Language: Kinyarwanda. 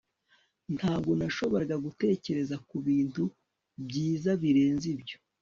Ntabwo nashoboraga gutekereza kubintu byiza birenze ibyo